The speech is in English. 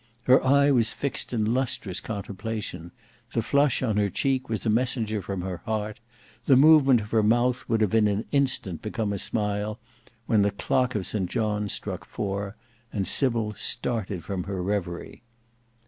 Her eye was fixed in lustrous contemplation, the flush on her cheek was a messenger from her heart, the movement of her mouth would have in an instant become a smile, when the clock of St John's struck four, and Sybil started from her reverie.